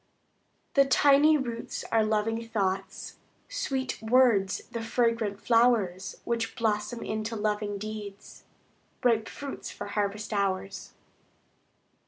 The tiny roots are loving thoughts; Sweet words, the fragrant flowers Which blossom into loving deeds, Ripe fruits for harvest hours.